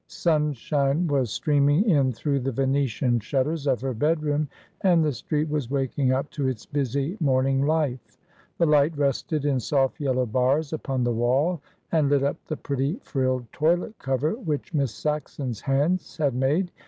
Sunshine was streaming in through the Venetian shutters of her bedroom, and the street was waking up to its busy morning life. The light rested in soft yellow bars upon the wall, and lit up the pretty frilled toilet cover which Miss Saxon's hands had made.